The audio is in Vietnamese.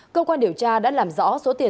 công quan điều tra đã làm rõ số tiền